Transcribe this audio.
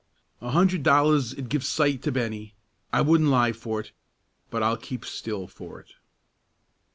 A hundred dollars 'd give sight to Bennie. I wouldn't lie for it, but I'll keep still for it."